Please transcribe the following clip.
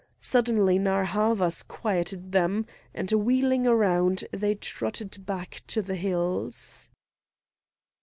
Suddenly Narr' Havas quieted them, and wheeling round they trotted back to the hills.